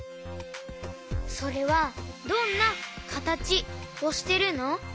それはどんなかたちをしてるの？